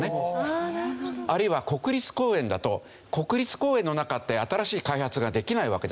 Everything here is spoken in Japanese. あるいは国立公園だと国立公園の中って新しい開発ができないわけですよ。